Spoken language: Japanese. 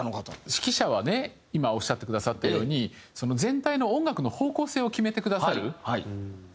指揮者はね今おっしゃってくださったように全体の音楽の方向性を決めてくださる方なんですけれども。